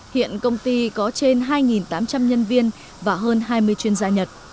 hiện công ty có trên hai tám trăm linh nhân viên và hơn hai mươi chuyên gia nhật